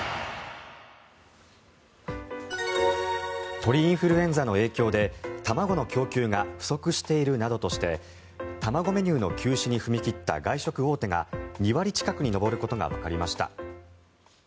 鳥インフルエンザの影響で卵の供給が不足しているなどとして卵メニューの休止に踏み切った外食大手が２割近くに上ることがわかりました。